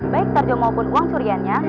baik tarjo maupun uang curiannya